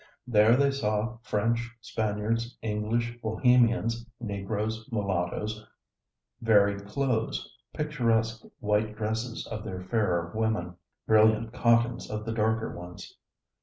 There they saw French, Spaniards, English, Bohemians, Negroes, mulattoes; varied clothes, picturesque white dresses of the fairer women, brilliant cottons of the darker ones.